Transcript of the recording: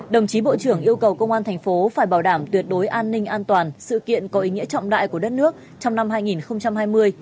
đồng chí bộ trưởng yêu cầu công an thành phố phải bảo đảm tuyệt đối an ninh an toàn sự kiện có ý nghĩa trọng đại của đất nước trong năm hai nghìn hai mươi